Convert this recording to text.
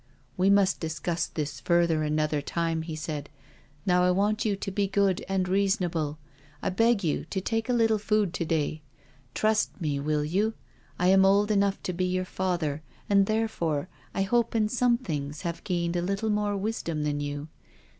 " We must discuss this further another time,*' he said. " Now I want you to be good and reasonable. I beg you to take a little food to*day. Trust me, will you? I am old enough to be your father, and therefore I hope in some things have gained a little more wisdom than you.